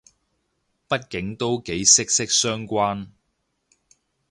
畢竟都幾息息相關